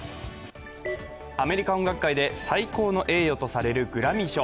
アメリカ音楽界で最高の栄誉とされるグラミー賞。